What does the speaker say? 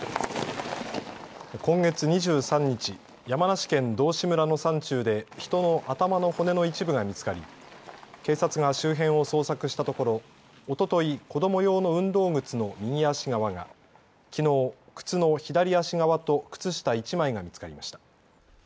今月２３日、山梨県道志村の山中で人の頭の骨の一部が見つかり警察が周辺を捜索したところおととい、子ども用の運動靴の右足側が、きのう靴の左足側と靴下１枚が見つかりました。